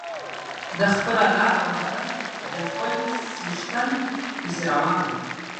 ده خپله لاره وهله د خپل څښتن پسې روان و.